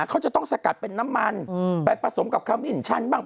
เขาจะต้องสกัดเป็นน้ำมันไปผสมกับคามินชั่นบ้าง